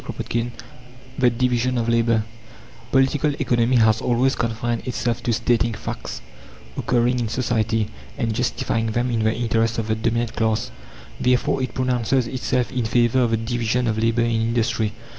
CHAPTER XV THE DIVISION OF LABOUR Political Economy has always confined itself to stating facts occurring in society, and justifying them in the interest of the dominant class. Therefore, it pronounces itself in favour of the division of labour in industry.